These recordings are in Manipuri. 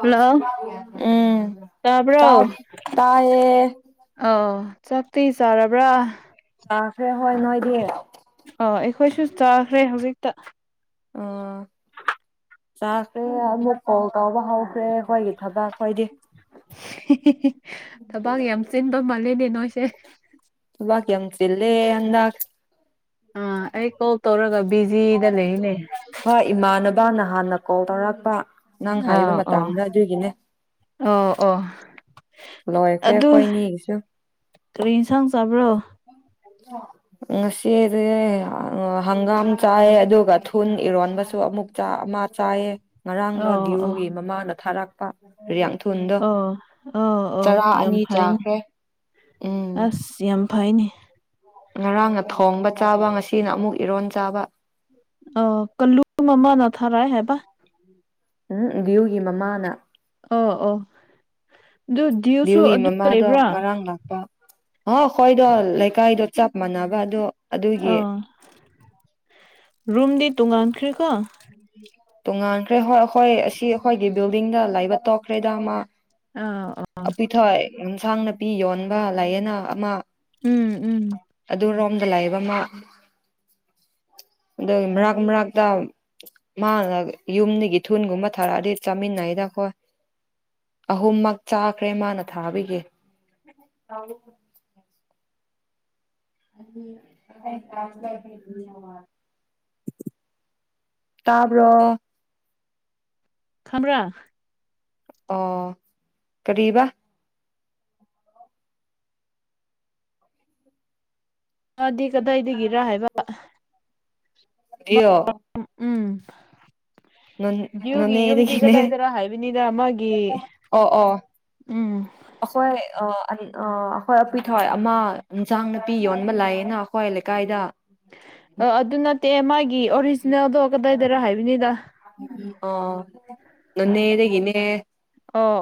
ꯍꯜꯂꯣ ꯎꯝ ꯇꯥꯏ ꯇꯥꯕ꯭ꯔꯣ ꯇꯥꯏꯌꯦ ꯑꯧ ꯆꯥꯛꯇꯤ ꯆꯥꯔꯕ꯭ꯔꯥ ꯆꯥꯈ꯭ꯔꯦ ꯍꯣꯏ ꯅꯣꯏꯗꯤ ꯑꯧ ꯑꯩꯈꯣꯏꯁꯨ ꯆꯥꯈ꯭ꯔꯦ ꯍꯧꯖꯤꯛꯇ ꯑꯥ ꯆꯥꯈ꯭ꯔꯦ ꯑꯃꯨꯛ ꯀꯣꯜ ꯇꯧꯕ ꯍꯧꯈ꯭ꯔꯦ ꯑꯩꯈꯣꯏꯒꯤ ꯊꯕꯛ ꯍꯣꯏꯗꯤ ꯊꯕꯥꯛ ꯌꯥꯝ ꯆꯤꯟ ꯄꯤꯛꯄꯥ ꯃꯦꯜꯂꯦꯅꯦ ꯅꯣꯏꯁꯦ ꯊꯕꯛ ꯌꯥꯝ ꯆꯤꯜꯂꯦ ꯍꯟꯗꯛ ꯑ ꯑꯩ ꯀꯣꯜ ꯇꯧꯔꯒ ꯕꯤꯖꯤꯗ ꯂꯩ ꯌꯦꯅꯦ ꯕꯥꯅ ꯍꯥꯟꯅ ꯀꯣꯜ ꯇꯧꯔꯛꯄ ꯅꯪ ꯍꯥꯏꯕ ꯑꯧ ꯃꯇꯝꯗ ꯑꯗꯨꯒꯤꯅꯦ ꯑꯧ ꯑꯣ ꯑꯣ ꯂꯣꯏꯈ꯭ꯔꯦ ꯑꯗꯨ ꯑꯩꯈꯣꯏꯅꯤꯒꯤꯁꯨ ꯀꯔꯤ ꯏꯟꯁꯥꯡ ꯆꯥꯕ꯭ꯔꯣ ꯉꯁꯤꯖꯦ ꯍꯪꯒꯥꯝ ꯆꯥꯏꯌꯦ ꯑꯗꯨꯒ [unintelligible] ꯏꯔꯣꯟꯕꯁꯨ ꯑꯃꯨꯛ ꯑꯃ ꯆꯥꯏꯌꯦ ꯉꯔꯥꯡꯗꫭ ꯑꯣ ꯗꯤꯑꯣꯒꯤ ꯃꯃꯥꯗ ꯊꯥꯔꯛ [unintelligible] ꯑ ꯆꯔꯥ ꯑꯅꯤ ꯆꯥꯈ꯭ꯔꯦ ꯎꯝ ꯑꯁ ꯌꯥꯝ ꯐꯩꯅꯦ ꯉꯔꯥꯡꯅ ꯊꯣꯡꯕ ꯆꯥꯕ ꯉꯁꯤꯅ ꯑꯃꯨꯛ ꯏꯔꯣꯟ ꯆꯥꯕ ꯑꯣ ꯀꯥꯂꯨ ꯃꯥꯃꯥꯅ ꯊꯥꯔꯛꯑꯦ ꯍꯥꯏꯕ ꯎꯝ ꯑꯗꯨꯒꯤ ꯃꯃꯥꯅ ꯑꯣ ꯑꯣ ꯑꯗꯨ ꯗꯤꯌꯨꯁꯨ ꯗ꯭ꯌꯨꯒꯤ ꯑꯗꯨ ꯃꯃꯥꯗꯣ ꯂꯩꯕ꯭ꯔꯥ ꯉꯔꯥꯡ ꯂꯥꯛꯄ ꯑꯣ ꯑꯩꯈꯣꯏꯗꯣ ꯂꯩꯀꯥꯏꯗꯣ ꯆꯞ ꯃꯥꯟꯅꯕ ꯑꯗꯣ ꯑꯗꯨꯒꯤ ꯑꯣ ꯔꯨꯝꯗꯤ ꯇꯣꯡꯉꯥꯟ ꯈ꯭ꯔꯦꯀꯣ ꯇꯣꯉꯥꯟꯈ꯭ꯔꯦ ꯍꯣꯏ ꯍꯣꯏ ꯑꯁꯤ ꯑꯩꯈꯣꯏꯒꯤ ꯕꯤꯜꯗꯤꯡꯗ ꯂꯩꯕ ꯇꯣꯛꯈ꯭ꯔꯦꯗ ꯃꯥꯥ ꯑꯥ ꯑꯥ ꯌꯦꯟꯁꯥꯡ ꯅꯥꯄꯤ ꯌꯣꯟꯕ ꯂꯥꯏꯌꯦꯅ ꯑꯃ ꯎꯝ ꯎꯝ ꯑꯗꯨꯔꯣꯝ ꯂꯩꯕꯃ ꯃꯔꯛ ꯃꯔꯛꯇ ꯃꯥꯅ ꯌꯨꯝꯗꯒꯤ ꯊꯨꯟꯒꯨꯝꯕ ꯊꯥꯔꯛꯑꯗꯤ ꯆꯥꯃꯤꯟꯅꯩꯗ ꯑꯩꯈꯣꯏ ꯑꯍꯨꯝꯃꯛ ꯆꯥꯈ꯭ꯔꯦ ꯃꯥꯅ ꯊꯥꯕꯒꯤ ꯇꯥꯕ꯭ꯔꯣ ꯈꯪꯕ꯭ꯔꯥ ꯑꯣ ꯀꯔꯤꯑꯕꯥ ꯃꯥꯗꯤ ꯀꯗꯥꯏꯗꯒꯤꯔ ꯍꯥꯏꯕ ꯑꯌꯣ ꯎꯝ ꯅꯪ ꯗꯤꯌꯨꯒꯤ ꯌꯨꯝꯗꯤ ꯀꯗꯥꯏꯗꯔ ꯍꯥꯏꯕꯅꯤꯗ ꯃꯥꯒꯤ ꯎꯝ ꯑꯩꯈꯣꯏ ꯑꯩꯈꯣꯏ ꯊꯋꯥꯏ ꯑꯃ ꯏꯟꯁꯥꯡ ꯅꯥꯄꯤ ꯌꯣꯟꯕ ꯂꯥꯛꯑꯌꯦꯅ ꯑꯩꯈꯣꯏ ꯂꯩꯀꯥꯏꯗ ꯑ ꯑꯗꯨꯅ ꯇꯃꯒꯤ ꯑ ꯅꯣꯅꯦꯗꯒꯤꯅꯦ ꯑꯣ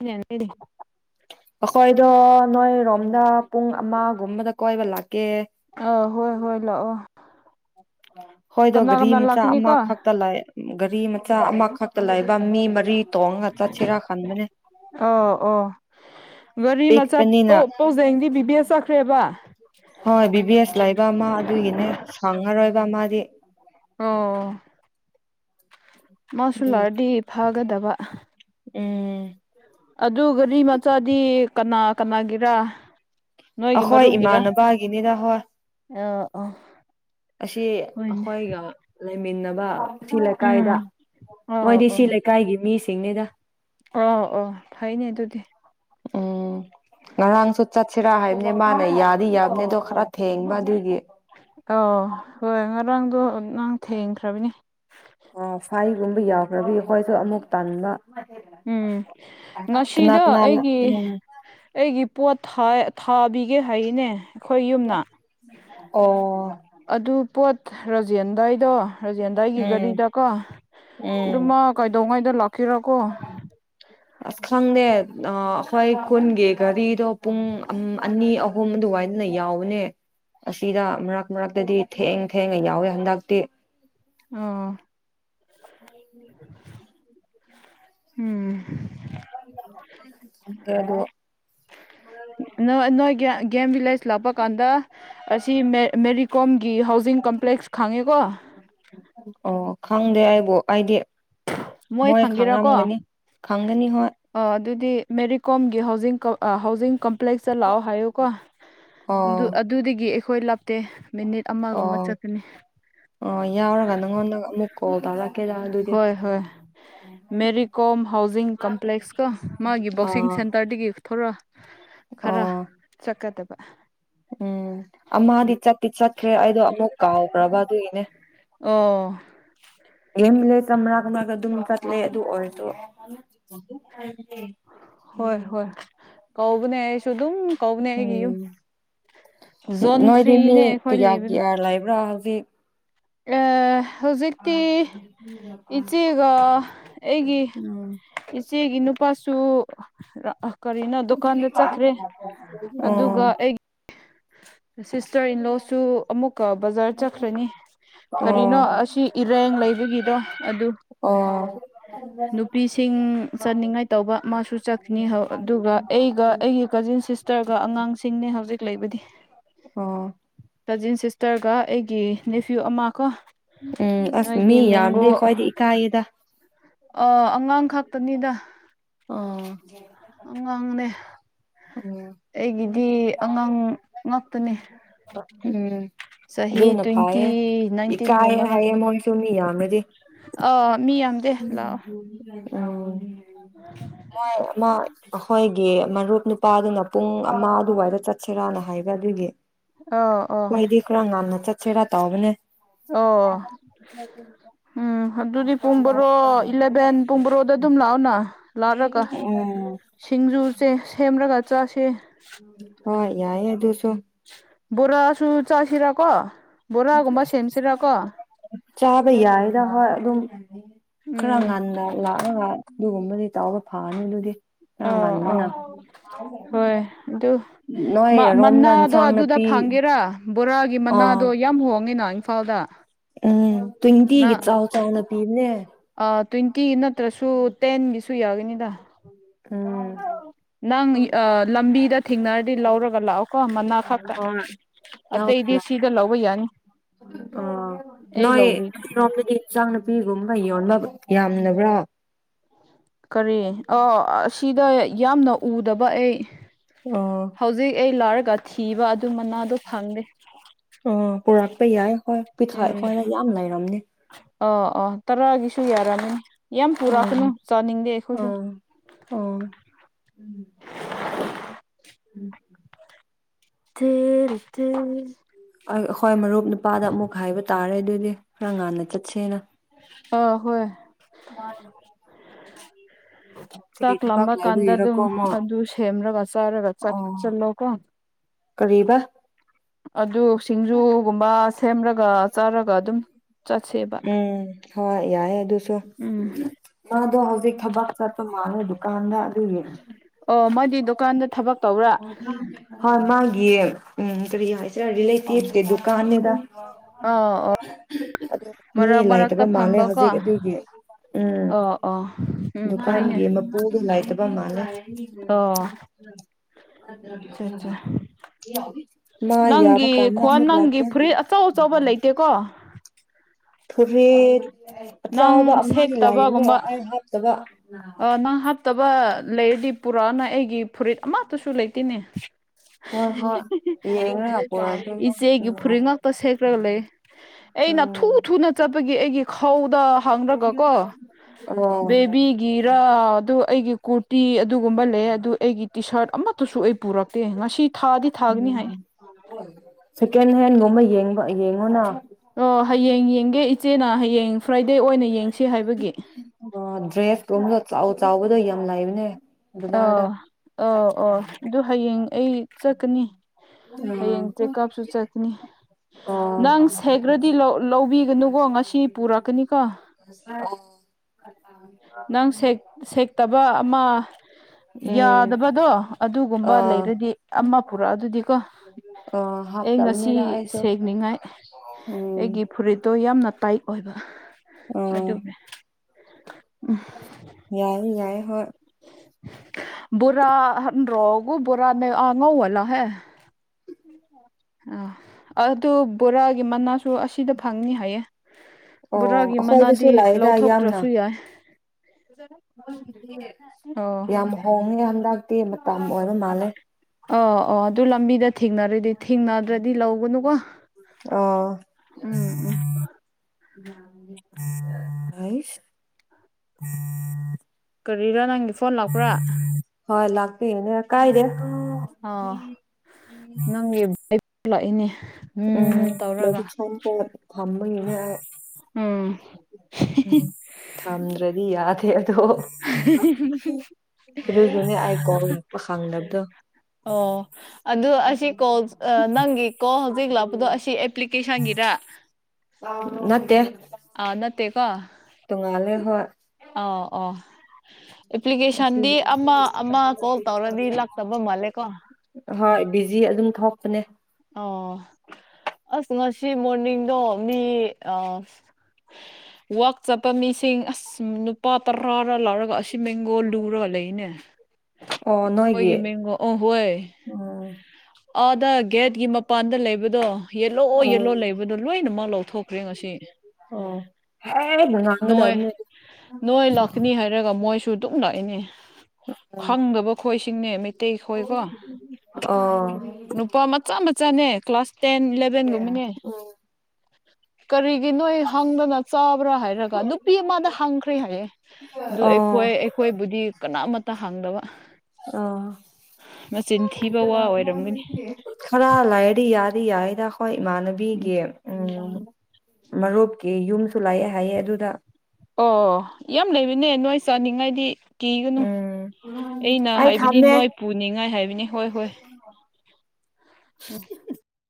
ꯗꯤ ꯑꯩꯈꯣꯏꯗꯣ ꯅꯣꯏꯔꯣꯝꯗ ꯄꯨꯡ ꯑꯃꯒꯨꯝꯕꯗ ꯀꯣꯏꯕ ꯂꯥꯛꯀꯦ ꯑ ꯍꯣꯏ ꯍꯣꯏ ꯂꯥꯛꯑꯣ ꯍꯣꯏꯗꯣ ꯀꯅꯥ ꯘꯔꯤ ꯀꯅꯥ ꯃꯆꯥ ꯂꯥꯛꯀꯅꯤꯀꯣ ꯑꯃꯈꯛꯇ ꯂꯥꯛꯑ ꯒꯥꯔꯤ ꯃꯆꯥ ꯑꯃ ꯐꯛꯇ ꯂꯩꯥꯏꯕ ꯃꯤ ꯃꯔꯤ ꯇꯣꯡꯉꯒ ꯆꯠꯁꯤꯔꯥ ꯈꯟꯕꯅꯦ ꯑꯣ ꯑꯣ ꯒꯥꯔꯤ ꯃꯆꯥ ꯄꯤꯛꯄꯅꯤꯅ ꯄꯥꯎꯖꯦꯡꯗꯤ ꯕꯤꯕꯤꯑꯦ ꯆꯠꯈ꯭ꯔꯦꯕ ꯍꯣꯏ ꯕꯤ ꯕꯤ ꯑꯦꯁ ꯂꯩꯕ ꯃꯥ ꯑꯗꯨꯒꯤꯅꯦ ꯔꯣꯏꯕ ꯃꯥꯗꯤ ꯑꯣ ꯃꯥꯁꯨꯨ ꯑꯗꯨ ꯂꯥꯛꯑꯗꯤ ꯐꯥꯒꯗꯕ ꯎꯝ ꯑꯗꯨ ꯒꯥꯔꯤ ꯃꯆꯥꯗꯤ ꯀꯅꯥ ꯀꯅꯥꯒꯤꯔ ꯅꯣꯏꯒꯤ ꯑꯩꯈꯣꯏ ꯃꯔꯨꯞꯒꯤꯔ ꯏꯃꯥꯟꯅꯕꯒꯤꯅꯤꯗ ꯍꯣꯏ ꯑ ꯑ ꯑꯁꯤ ꯍꯣꯏꯅꯦ ꯑꯈꯣꯏꯒ ꯂꯩꯃꯤꯟꯅꯕ ꯁꯤ ꯂꯩꯀꯥꯏꯗ ꯎꯝ ꯑꯣ ꯃꯣꯏꯗꯤ ꯁꯤ ꯑꯣ ꯂꯩꯀꯥꯏꯒꯤ ꯃꯤ ꯆꯤꯡꯅꯦꯗ ꯑꯣ ꯑꯣ ꯐꯩꯅꯦ ꯑꯗꯨꯗꯤ ꯎꯝ ꯉꯔꯥꯡꯁꯨ ꯆꯠꯁꯤꯔꯥ ꯍꯥꯏꯕꯅꯦ ꯃꯥꯅ ꯌꯥꯗꯤ ꯌꯥꯕꯅꯦ ꯑꯗꯣ ꯈꯔ ꯊꯦꯡꯕ ꯑꯗꯨꯒꯤ ꯑꯧ ꯍꯣꯢ ꯉꯔꯥꯡꯗꯣ ꯅꯪ ꯊꯦꯡꯈ꯭ꯔꯕꯅꯦ ꯑ ꯐꯥꯏꯒꯨꯝꯕ ꯌꯥꯎꯈ꯭ꯔꯕꯤ ꯍꯈꯣꯏꯁꯨ ꯑꯃꯨꯛ ꯇꯥꯟꯕ ꯎꯝ ꯉꯁꯤꯗ ꯀꯅꯥ ꯑꯩꯒꯤ ꯎꯝ ꯑꯩꯒꯤ ꯄꯣꯠ ꯊꯥꯕꯤꯒꯦ ꯍꯥꯏꯔꯤꯅꯦ ꯑꯩꯈꯣꯏ ꯌꯨꯝꯅ ꯑꯣ ꯑꯗꯨ ꯄꯣꯠ ꯔꯣꯖꯦꯟ ꯑꯗꯨꯗꯥꯏꯗꯣ ꯔꯥꯖꯦꯟꯗꯥ ꯑꯩꯒꯤ ꯎꯝ ꯒꯥꯔꯤꯗꯀꯣ ꯎꯝ ꯑꯗꯨꯃ ꯀꯥꯏꯗꯧꯉꯥꯏꯗ ꯂꯥꯛꯀꯦꯔ ꯑꯁ ꯈꯪꯗꯦ ꯑꯩꯈꯣꯏ ꯀꯨꯟꯒꯤ ꯘꯔꯤꯗꯣ ꯄꯨꯡ ꯎꯝ ꯑꯅꯤ ꯑꯍꯨꯝ ꯑꯗꯨꯋꯥꯏꯗꯅ ꯌꯥꯎꯕꯅꯦ ꯑꯁꯤꯗ ꯃꯔꯛ ꯃꯔꯛꯇꯗꯤ ꯊꯦꯡ ꯊꯦꯡꯉ ꯌꯥꯎꯋꯦ ꯍꯟꯗꯛꯇꯤ ꯑ ꯎꯝ ꯕꯗꯣ ꯅꯣꯏ ꯅꯣꯏ ꯒꯦꯝ ꯚꯤꯂꯦꯁ ꯂꯥꯛꯄꯀꯥꯟꯗ ꯑꯁꯤ ꯃ ꯃꯦꯔꯤ ꯀꯣꯝꯒꯤ ꯍꯥꯎꯖꯤꯡ ꯀꯝꯄ꯭ꯂꯦꯛꯁ ꯈꯥꯡꯉꯦꯀꯣ ꯑꯣ ꯈꯪꯗꯦ ꯑꯩꯕꯨ ꯑꯩꯗꯤ ꯃꯣꯏ ꯈꯪꯒꯦꯔꯥꯀꯣ ꯈꯪꯒꯅꯤ ꯍꯣꯏ ꯑ ꯑꯗꯨꯗꯤ ꯃꯦꯔꯤ ꯀꯣꯝ ꯍꯥꯎꯁ ꯍꯥꯎꯁꯤꯡ ꯀꯝꯄ ꯄ꯭ꯂꯦꯛꯁꯇ ꯂꯥꯛꯑꯣ ꯍꯥꯏꯌꯨ ꯀꯣ ꯑꯗꯨ ꯑꯣ ꯑꯗꯨꯗꯒꯤ ꯑꯩꯈꯣꯏ ꯇꯦ ꯑꯣ ꯑꯣ ꯌꯥꯎꯔꯒ ꯅꯪꯉꯣꯟꯗ ꯑꯃꯨꯛ ꯀꯣꯜꯗꯥꯗ ꯍꯣꯏ ꯍꯣꯏ ꯃꯦꯔꯤ ꯀꯣꯝ ꯍꯥꯎꯖꯤꯡ ꯀꯝꯄ꯭ꯂꯦꯛꯁꯀ ꯃꯥꯒꯤ ꯕꯣꯛꯁꯤꯡ ꯑꯥ ꯁꯦꯟꯇꯔꯗꯒꯤ ꯊꯔ ꯈꯔ ꯑꯣ ꯆꯠꯀꯗꯕ ꯑ ꯎꯝ ꯑꯃꯗꯤꯗꯤ ꯆꯠꯇꯤ ꯆꯠꯈ꯭ꯔꯦ ꯑꯩꯗꯣ ꯑꯃꯨꯛ ꯀꯥꯎꯈ꯭ꯔꯕ ꯑꯗꯨꯒꯤꯅꯦ ꯑꯣ [unintelligible] ꯃꯔꯛ ꯃꯔꯛꯇ ꯑꯗꯨꯝ ꯆꯠꯂꯦ ꯑꯗꯨ ꯑꯣꯏꯔꯖꯨ ꯍꯣꯏ ꯍꯣꯏ ꯀꯧꯕꯅꯦ ꯑꯩꯁꯨ ꯑꯗꯨꯝ ꯀꯧꯕꯅꯦ ꯑꯩꯒꯤ ꯎꯝ ꯌꯨꯝ ꯖꯣꯟ ꯅꯣꯏꯗꯤ ꯃꯤ ꯊ꯭ꯔꯤꯅꯦ ꯑꯩꯈꯣꯏ ꯀꯌꯥ ꯀꯌꯥ ꯂ ꯂꯩꯕ꯭ꯔꯥ ꯍꯧꯖꯤꯛ ꯑ ꯏꯆꯦꯒ ꯑꯩꯒꯤ ꯎꯝ ꯏꯆꯦꯒꯤ ꯅꯨꯄꯥꯁꯨ ꯀꯔꯤꯅꯣ ꯗꯨꯀꯥꯟꯗ ꯆꯠꯈ꯭ꯔꯦ ꯑꯗꯨꯒ ꯑꯩ [inaudible] ꯁꯤꯁꯇꯔ ꯏꯟꯂꯣꯁ ꯁꯨ ꯑꯃꯨꯛ ꯀ ꯕꯖꯥꯔ ꯆꯠꯈ꯭ꯔꯅꯤ ꯀꯔꯤꯅꯣ ꯑꯣ ꯑꯁꯤ ꯏꯔꯦꯡ ꯂꯩꯕꯒꯤꯗꯣ ꯑꯗꯨ ꯑꯣ ꯑꯣ ꯅꯨꯄꯤꯁꯤꯡ ꯆꯠꯅꯤꯡꯉꯥꯏ ꯇꯧꯕ ꯃꯥꯁꯨ ꯆꯠꯈꯤꯅꯤ ꯑꯗꯨꯒ ꯑꯩꯒ ꯑꯩꯒꯤ ꯀꯖꯤꯟ ꯁꯤꯁꯇꯔꯒ ꯑꯉꯥꯡꯁꯤꯡꯅꯦ ꯍꯧꯖꯤꯛ ꯂꯩꯕꯗꯤ ꯑꯣ ꯀꯖꯤꯟ ꯁꯤꯁꯇꯔꯒ ꯑꯩꯒꯤ ꯅꯦꯐ꯭ꯌꯨ ꯑꯃ ꯀꯣ ꯎꯝ ꯑꯁ ꯃꯤ ꯅꯣꯏꯒꯤ ꯌꯥꯝꯗꯦ ꯈ꯭ꯋꯥꯏꯗꯤ ꯏꯀꯥꯗ ꯑ ꯑꯉꯥꯡ ꯈꯛꯇꯅꯤꯗ ꯑꯣ ꯑꯉꯥꯡꯅꯦ ꯑꯩꯒꯤꯗꯤ ꯑꯉꯥꯡ ꯉꯥꯛꯇꯅꯦ ꯎꯝ ꯆꯍꯤ ꯑꯗꯨꯅ ꯇ꯭ꯋꯦꯟꯇꯤ ꯐꯥꯏꯌꯦ ꯅꯥꯏꯟꯇꯤꯟꯒꯨꯝꯕ ꯏꯀꯥꯏꯌꯦ ꯍꯥꯏꯌꯦ ꯉꯥꯛꯇꯅꯤ ꯃꯣꯏꯁꯨ ꯃꯤ ꯌꯥꯝꯔꯗꯤ ꯑ ꯎꯝ ꯍꯝ ꯑ ꯃꯣꯏ [inaudible] ꯃꯔꯨꯞ ꯅꯨꯄꯥꯗꯨꯅ ꯄꯨꯡ ꯑꯃ ꯑꯗꯨꯋꯥꯏꯗ ꯆꯠꯁꯤꯔꯥꯅ ꯍꯥꯏꯕ ꯑꯗꯨꯒꯤ ꯑꯥ ꯑꯥ ꯀꯣꯏꯗꯤꯈꯔ ꯉꯥꯟꯅ ꯆ ꯁꯤꯔꯥ ꯇꯧꯕꯅꯦ [inaudible] ꯑꯣ ꯎꯝ ꯑꯗꯨꯗꯤ ꯄꯨꯡ ꯕꯔꯣ ꯏꯂꯚꯦꯟ ꯄꯨꯡ ꯕꯣꯔꯣꯗ ꯑꯗꯨꯝ ꯂꯥꯛꯑꯣꯅ ꯂꯥꯠꯂꯒ ꯎꯝ ꯁꯤꯡꯖꯨꯁꯦ ꯁꯦꯝꯔꯒ ꯆꯥꯛ ꯁꯦ ꯎꯝ [unintelligible] ꯍꯣꯏ ꯌꯥꯏ ꯑꯗꯨ [inaudible] ꯕꯣꯔꯥꯁꯨ ꯆꯁꯤꯔ ꯀꯣ ꯕꯣꯔꯥꯒꯨꯝꯕ ꯁꯦꯝꯁꯤꯔꯀꯣ ꯆꯥꯕ ꯌꯥꯏꯗ ꯍꯣꯏ ꯑꯗꯨꯝ ꯈꯔ ꯎꯝ ꯉꯟꯅꯥ ꯂꯛ ꯉꯥꯏ ꯑꯗꯨꯒꯨꯝꯕꯗꯤ ꯇꯥꯎꯔ ꯐꯥꯅꯨ ꯑꯗꯨꯗꯤ ꯑꯥ ꯑꯥ ꯍꯣꯏ ꯑꯗꯨ [inaudible] ꯒꯤ ꯃꯅꯥꯗꯣ ꯌꯥꯝ ꯍꯣꯡꯉꯦ ꯅ ꯏꯝꯐꯥꯜꯗ ꯎꯝ ꯇꯨꯡ ꯏꯇꯤꯒꯤ ꯆꯥꯎꯥꯛ ꯆꯥꯎꯅ ꯄꯤꯅꯦꯦ ꯇ꯭ꯋꯦꯟ ꯏ ꯅꯠꯇ꯭ꯔꯁꯨ ꯇꯦꯟꯒꯤ ꯁꯨꯏ ꯌꯥꯒꯅꯤꯗ ꯎꯝ ꯅꯪ ꯂꯝꯕꯤꯗ ꯊꯦꯡꯅꯔꯗꯤ ꯂꯧꯔꯒ ꯂꯥꯛꯑꯣꯀꯣ ꯃꯅꯥ ꯈꯛꯇ ꯍ ꯌꯥ ꯑꯇꯩꯗꯤ ꯁꯤꯗ ꯂꯧꯕ ꯌꯥꯅꯤ ꯑ ꯑꯩ ꯅꯣꯏ ꯂꯧꯕꯤꯒꯦ ꯅꯣꯡꯃꯗꯤ ꯆꯥꯡꯅ ꯄꯤꯒꯨꯝ ꯃ ꯌꯣꯟꯕ ꯌꯥꯝꯕ꯭ꯔꯥ ꯀꯔꯤ ꯑꯣ ꯑꯁꯤꯗ ꯌꯥꯝꯅ ꯎꯗꯕ ꯑꯩ ꯑꯣ ꯍꯧꯖꯤꯛ ꯑꯩ ꯂꯥꯏꯔꯒ ꯊꯤꯕ ꯑꯗꯨ ꯃꯅꯥꯗꯣ ꯍꯗꯦ ꯑ ꯄꯨꯔꯛꯄ ꯌꯥꯏ ꯍꯣꯏ ꯄꯤꯊꯛꯑ ꯑꯩꯈꯣꯏꯅ ꯌꯥꯝ ꯂꯩꯔꯝꯅꯤ ꯑ ꯑꯣ ꯇꯔꯥꯒꯤꯁꯨ ꯌꯥꯔꯅꯤ ꯌꯥꯝ ꯎꯝ ꯄꯨꯔꯛꯀꯅꯨ ꯆꯥꯅꯤꯡꯗꯦ ꯑꯩꯈꯣꯏꯁꯨ ꯑꯥ ꯑꯣ ꯎꯝ ꯊ ꯊ ꯍꯣꯏ ꯃꯔꯨꯞ ꯅꯨꯄꯥꯗ ꯑꯃꯨꯛ ꯍꯥꯏꯕ ꯇꯥꯔꯦ ꯑꯗꯨꯗꯤ ꯑ ꯉꯥꯡꯅ ꯆꯠ ꯆꯩꯅ ꯑꯥ ꯍꯣꯏ ꯎꯝ ꯆꯥꯛ ꯂꯃꯀꯥꯟꯗ ꯑꯗꯨꯝ ꯑꯗꯨ ꯁꯦꯝꯂꯒ ꯆꯥꯔꯒ ꯑꯣ ꯆꯥꯛꯁꯤꯜꯂꯣꯀꯣ ꯀꯔꯤꯕ ꯑꯗꯨ ꯁꯤꯡꯖꯨꯒꯨꯝꯕ ꯁꯦꯝꯔꯒ ꯆꯥꯔꯒ ꯑꯗꯨꯝ ꯆꯠꯁꯦꯕ ꯍ ꯌꯥꯏ ꯑꯗꯨ ꯃꯥ ꯎꯝ ꯑꯗꯨꯣ ꯍꯧꯖꯤꯛ ꯊꯕꯛ ꯆꯠꯄ ꯃꯥꯗ ꯀꯥꯟꯗꯥ ꯑꯗꯨ ꯑꯣ ꯃꯥꯗꯤ ꯗꯨꯀꯥꯟꯗ ꯊꯕꯛ ꯇꯧꯕ꯭ꯔꯥ ꯍꯣꯏ ꯃꯥ ꯌꯦ ꯎꯝꯁꯔꯤꯂꯦꯇꯤꯚ ꯗꯨꯀꯥꯟ ꯑꯣ ꯑꯣ ꯃꯤ ꯃꯔꯛ ꯂꯩꯥꯏꯇꯕ ꯃꯔꯛꯇ ꯃꯥꯜꯂꯦ ꯐꯝꯕꯀꯣ ꯍꯧꯖꯤꯛ ꯑꯣ ꯑꯗꯨꯒꯤ ꯎꯝ ꯑꯣ ꯎꯝ ꯐꯩꯅꯦ ꯗꯨꯀꯥꯟꯒꯤ ꯃꯄꯨꯗꯨ ꯂꯩꯇꯕ ꯃꯥꯂ ꯑꯣ ꯑꯆꯥ ꯑꯆꯥ ꯃꯥ ꯌꯥꯕ ꯅꯪꯒꯤ ꯀꯥꯟꯗ ꯈꯣꯟ ꯅꯪꯒꯤ ꯃꯂꯀ ꯐꯨꯔꯤꯠ ꯑꯆꯧ ꯑꯆꯧꯕ ꯂꯩꯇꯦꯀꯣ ꯐꯣꯔꯦꯠ ꯅꯪ ꯑꯆꯕ ꯑꯃꯗꯤ ꯂꯥꯏꯕꯅꯦ ꯁꯦꯠꯇꯕꯒꯨꯝꯕ ꯑꯩ ꯍꯥꯞꯇꯕ ꯐꯠꯇꯕ ꯂꯩꯔꯗꯤ ꯄꯨꯔꯛꯅ ꯑꯩꯒꯤ ꯐꯨꯔꯤꯠ ꯑꯃꯠꯇꯁꯨ ꯂꯩꯇꯦꯅꯦ ꯍ ꯍꯣꯏ ꯌꯦꯉ ꯄꯨꯔ ꯏꯆꯦꯒꯤ ꯐꯨꯔꯤꯠ ꯉꯥꯛꯇ ꯁꯦꯠꯈ꯭ꯔꯒ ꯂꯩ ꯎꯝ ꯒꯤ ꯑꯩꯒꯤ ꯐꯧꯗ ꯍꯥꯡꯔꯒꯀꯣ ꯑꯣ ꯕꯦꯕꯤꯒꯤꯔꯥ ꯑꯗꯨ ꯑꯩꯒꯤ ꯀꯨꯠ ꯇꯤ ꯑꯗꯨꯒꯨꯝꯕ ꯂꯩ ꯑꯗꯨ ꯑꯩꯒꯤ ꯇꯤ ꯁꯥꯔꯠ ꯑꯃꯠꯇꯁꯨ ꯑꯩ ꯄꯨꯔꯛꯇꯦ ꯉꯁꯤ ꯊꯥꯗꯤ ꯊꯥꯒꯅꯤ ꯍꯥꯏ ꯁꯦꯀꯦꯟ ꯍꯦꯟ ꯅꯣꯡꯃ ꯌꯦꯡꯉ ꯌꯦꯡꯉꯨꯅ ꯑꯣ ꯍꯌꯦꯡ ꯌꯦꯡꯒꯦ ꯏꯆꯦꯅ ꯍꯌꯦꯡ ꯐ꯭ꯔꯥꯏ ꯑ ꯗ꯭ꯔꯦꯁ ꯀ ꯆ ꯆ ꯑꯗ ꯌꯥꯝ ꯂꯥꯏꯏꯕꯅꯦ ꯑ ꯑ ꯑꯣ ꯑꯗꯨ ꯍꯌꯦꯡ ꯑꯩ ꯆꯠꯀꯅꯤ ꯍꯌꯦꯡ ꯆꯦꯛꯑꯞꯁꯨ ꯆꯠꯀꯅꯤ ꯅꯪ ꯁꯦꯒ꯭ꯔꯗꯤ ꯂꯧꯕꯤꯒꯅꯨꯀꯣ ꯑ ꯉꯁꯤ ꯄꯨꯔꯛꯀꯅꯤꯀꯣ ꯑꯣ ꯅꯪ ꯁꯦꯛꯇꯕ ꯑꯃ ꯎꯝ ꯌꯥꯗꯕꯗꯣ ꯑ ꯑꯗꯨꯒꯨꯝꯕ ꯂꯩꯔꯗꯤ ꯑꯃ ꯄꯨꯔꯛꯑ ꯑꯗꯨꯗꯤꯀꯣ ꯑ ꯑꯩ ꯉꯁꯤ ꯍꯥꯞꯇꯕꯅꯤꯗ ꯑꯩꯁꯨ ꯁ ꯌꯦꯤꯡꯅꯤꯡꯉꯥꯏ ꯎꯝ ꯑꯩꯒꯤ ꯐꯨꯔꯤꯠꯇꯣ ꯌꯥꯝꯅ ꯇꯥꯏ ꯑꯣꯏꯕ ꯑꯗꯨꯗ [inaudible] ꯌꯥꯏꯏ ꯌꯥꯏ ꯍꯣꯏ ꯕꯣꯔꯥ ꯍꯟ ꯔꯣꯛ ꯕꯣꯔꯥꯅꯦ ꯑꯥꯉꯧ ꯋꯥꯜꯂꯥꯍꯦ ꯑꯥ ꯑꯗꯨ ꯕꯣꯔꯥꯒꯤ ꯃꯅꯥꯁꯨ ꯑꯁꯤꯗ ꯐꯪꯅꯤ ꯍꯥꯏꯌꯦ ꯑꯣ ꯕꯣꯔꯥꯒꯤ ꯑꯩꯈꯣꯏꯗꯁꯨ ꯃꯅꯥꯗꯤ ꯂꯥꯛꯏꯗ ꯌꯥꯝꯅ ꯂꯧꯊꯣꯛꯇ꯭ꯔꯁꯨ ꯌꯥꯏ [inaudible] ꯑꯣ ꯌꯥꯝ ꯍꯣꯡꯉꯦ ꯍꯟꯗꯛꯇꯤ ꯃꯇꯝ ꯑꯣꯏꯕ ꯃꯥꯜꯂꯦ ꯑ ꯑꯣ ꯑꯗꯨ ꯂꯝꯕꯤꯗ ꯊꯦꯡꯅꯔꯗꯤ ꯊꯦꯡꯅꯗ꯭ꯔꯗꯤ ꯂꯧꯒꯅꯨꯀꯣ ꯑꯥ ꯎꯝ ꯎꯝ ꯑꯩꯁ ꯀꯔꯤꯔ ꯅꯪꯒꯦ ꯐꯣꯟ ꯂꯥꯛꯄ꯭ꯔꯥ ꯐꯅꯦ ꯀꯥꯏꯔꯦ ꯑ ꯅꯪ ꯑꯩ ꯄꯨꯂꯛꯏꯅꯦ ꯎꯝ ꯊꯝꯕꯅꯤꯅꯦ ꯎꯝ ꯊꯝꯗ꯭ꯔꯗꯤ ꯌꯥꯗ꯭ꯔꯦ ꯍ ꯑꯗꯨꯒꯤꯅꯦ ꯑꯩ ꯀꯣꯜ ꯂꯥꯛꯄ ꯈꯪꯗꯕꯗꯣ ꯑꯣ ꯑꯗꯨ ꯑꯁꯤ ꯀꯣꯜ ꯅꯪꯒꯤꯀꯣ ꯍꯧꯖꯤꯛ ꯂꯥꯛꯄꯗꯣ ꯑꯁꯤ ꯑꯦꯄ꯭ꯂꯤꯀꯦꯁꯟꯒꯤꯔ ꯅꯠꯇꯦ ꯑꯥ ꯅꯠꯇꯦ ꯀꯣ ꯇꯨꯡꯉꯥꯂꯦ ꯍꯣꯏ ꯑꯣ ꯑꯣ ꯑꯁꯤ ꯑꯦꯄ꯭ꯂꯤꯀꯦꯁꯟꯗꯤ ꯑꯃ ꯑꯃ ꯀꯣꯜ ꯇꯧꯔꯗꯤ ꯂꯥꯛꯇꯕ ꯃꯥꯜꯂꯦꯀꯣ ꯍꯣꯏ ꯕꯤꯖꯤ ꯑꯗꯨꯝ ꯊꯣꯛꯄꯅꯦ ꯑꯥ ꯑꯁ ꯉꯁꯤ ꯃꯣꯔꯅꯤꯡꯗꯣ ꯃꯤ ꯑ ꯋꯥꯛ ꯆꯠꯄ ꯃꯤꯁꯤꯡ ꯑꯁ ꯅꯨꯄꯥ ꯇꯔꯥꯔ ꯂꯧꯔꯒ ꯑꯁꯤ ꯃꯦꯡꯒꯣꯜ ꯂꯨꯔ ꯂꯩꯅꯦ ꯑꯣ ꯅꯣꯏꯒꯤ ꯑꯣꯏꯒꯤ ꯃꯒꯣ ꯑ ꯍꯣꯏ ꯎꯝ ꯑ ꯒꯦꯗꯀꯤ ꯃ ꯃꯄꯥꯟꯗ ꯂꯩꯕꯗꯣ ꯌꯦꯜꯂꯣꯑꯣ ꯑꯣ ꯌꯦꯜꯂꯣ ꯂꯩꯕꯗꯣ ꯂꯣꯏꯅꯃꯛ ꯂꯧꯊꯣꯛꯈ꯭ꯔꯦ ꯉꯁꯤ ꯑꯣ ꯍꯦꯛ ꯅꯣꯏ ꯉꯥꯡꯒꯗꯕꯅꯦ ꯅꯣꯏ ꯂꯥꯛꯀꯅꯤ ꯍꯥꯏꯔꯒ ꯃꯣꯏ ꯁꯨꯗꯧꯅ ꯏꯅꯦ ꯈꯪꯗꯕ ꯈꯣꯏꯁꯤ ꯆꯤꯡꯅꯦ ꯑꯣ ꯅꯨꯄꯥ ꯃꯆꯥ ꯃꯆꯥꯅꯦ ꯀ꯭ꯂꯥꯁ ꯇꯦꯟ ꯏꯂꯦꯚꯦꯟꯒꯨꯝꯕꯅꯦ ꯀꯔꯤꯒꯤ ꯅꯣꯏ ꯍꯪꯗꯅ ꯆꯥꯕ꯭ꯔꯥ ꯍꯥꯏꯔꯒ ꯅꯨꯄꯤ ꯑꯃꯗ ꯍꯥꯡꯈ꯭ꯔꯦ ꯍꯥꯏꯌꯦ ꯑꯗꯨ ꯑꯩꯈꯣꯏ ꯑꯣ ꯑꯩꯈꯣꯏꯕꯨꯗꯤ ꯀꯅꯥꯃꯠꯇ ꯍꯥꯡꯗꯕ ꯑꯣ ꯃꯆꯤꯟ ꯊꯤꯕ ꯋꯥ ꯑꯣꯏꯔꯝꯒꯅꯤ ꯈꯔ ꯂꯩꯔꯗꯤ ꯌꯥꯔꯤ ꯌꯥꯗ ꯍꯣꯏ ꯎꯝ ꯏꯃꯥꯟꯅꯕꯤꯒꯤ ꯎꯝ ꯃꯔꯨꯞꯀꯤ ꯌꯨꯝꯁꯨ ꯂꯥꯛꯑꯦ ꯍꯥꯏꯑ ꯑꯗꯨꯗ ꯑꯣ ꯌꯥꯝ ꯂꯩꯕꯅꯦ ꯅꯣꯏ ꯆꯥꯅꯤꯡꯉꯥꯏꯗꯤ ꯀꯤꯒꯅꯨ ꯎꯝ ꯑꯩꯅ ꯑꯩ ꯍꯥꯏꯕꯅꯤ ꯊꯝꯃꯦ ꯅꯣꯏ ꯄꯨꯅꯤꯡꯉꯥꯏ ꯍꯥꯏꯕꯅꯤ ꯍꯣꯏ ꯍꯣꯏ ꯎꯝ